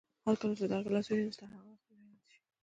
هرکله چې دغه ګیلاس ووینم، ستا هغه وخت مې را یاد شي.